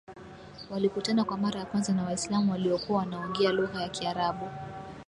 walikutana kwa mara ya kwanza na Waislamu waliokuwa wanaongea lugha ya Kiarabu